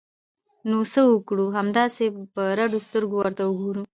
نو څه وکړو؟ همداسې په رډو سترګو ورته وګورو!